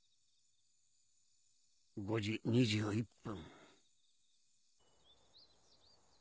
５時２１分。